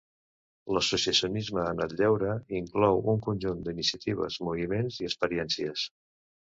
L'associacionisme en el lleure inclou un conjunt d'iniciatives, moviments i experiències.